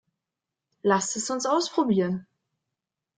Lass es uns ausprobieren!